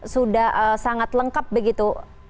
sudah sangat lengkap begitu